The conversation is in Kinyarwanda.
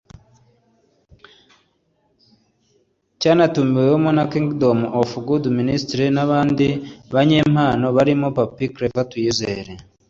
Cyanatumiwemo na Kingdom of God Ministries n’abandi banyempano barimo Pappy Clever Tuyizere